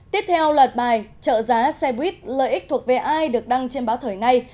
tiếp theo là bài trợ giá xe buýt lợi ích thuộc về ai được đăng trên báo thời này